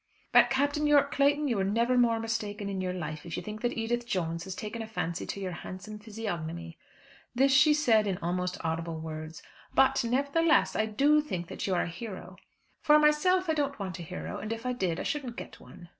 "But Captain Yorke Clayton, you were never more mistaken in all your life if you think that Edith Jones has taken a fancy to your handsome physiognomy." This she said in almost audible words. "But nevertheless, I do think that you are a hero. For myself, I don't want a hero and if I did, I shouldn't get one."